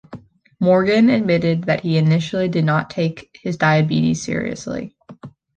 Morgan admitted that he initially did not take his diabetes seriously.